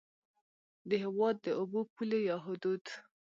د هېواد د اوبو پولې یا حدود